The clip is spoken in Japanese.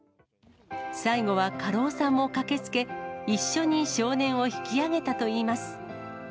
最後は家老さんも駆けつけ、一緒に少年を引き上げたといいます。